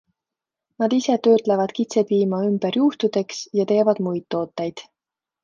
Nad ise töötlevad kitsepiima ümber juustudeks ja teevad muid tooteid.